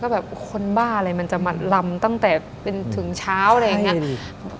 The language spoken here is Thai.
แบบคนบ้าอะไรมันจะมาลำตั้งแต่เป็นถึงเช้าอะไรอย่างนี้